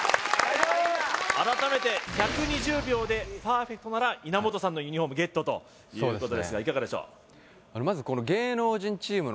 改めて１２０秒でパーフェクトなら稲本さんのユニフォームゲットということですがいかがでしょう？